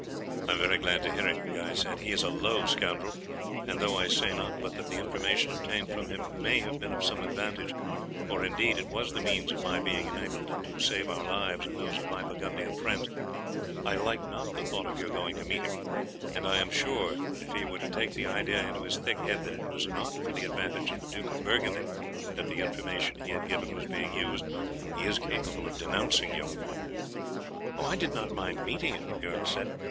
"I am very glad to hear it," Guy said. "He is a low scoundrel, and though I say not but that the information obtained from him may have been of some advantage, for indeed it was the means of my being enabled to save our lives and those of my Burgundian friends, I like not the thought of your going to meet him; and I am sure that if he were to take the idea into his thick head that it was not for the advantage of the Duke of Burgundy that the information he had given was being used, he is capable of denouncing you." "I did not mind meeting him,", the girl said.